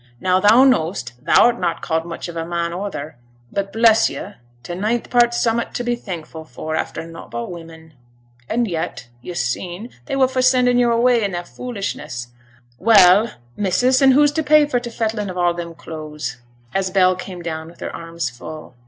Now thou know'st thou'rt not called much of a man oather, but bless yo', t' ninth part's summut to be thankful for, after nought but women. An' yet, yo' seen, they were for sending yo' away i' their foolishness! Well! missus, and who's to pay for t' fettling of all them clothes?' as Bell came down with her arms full.